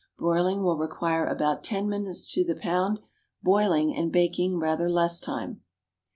Broiling will require about ten minutes to the pound; boiling and baking rather less time.